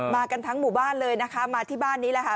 กันทั้งหมู่บ้านเลยนะคะมาที่บ้านนี้แหละค่ะ